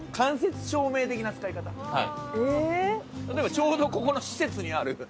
例えばちょうどここの施設にある。